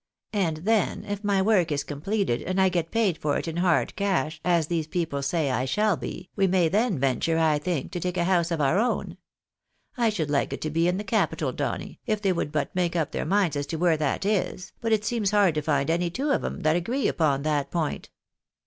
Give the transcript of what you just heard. And then, if my work is com pleted, and I get paid for it in hard cash, as these people say I Bhall be, we may then venture, I think, to take a house of our own. I should like it to be in the capital, Donny, if they would but make up their minds as to where that is, but it seems hard to find any two of 'em that agree upon that point."